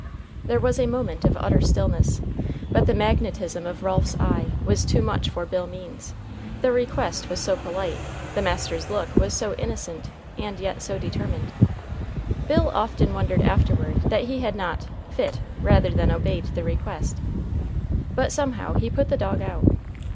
There was a moment of utter stillness; but the magnetism of Ralph's eye was too much for Bill Means. The request was so polite, the master's look was so innocent and yet so determined. Bill often wondered afterward that he had not "fit" rather than obeyed the request. But somehow he put the dog out.